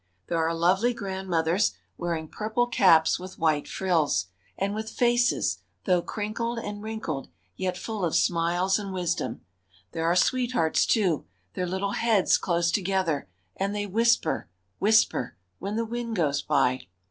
There are lovely grandmothers wearing purple caps with white frills, and with faces though crinkled and wrinkled yet full of smiles and wisdom. There are sweethearts too, their little heads close together, and they whisper, whisper when the wind goes by.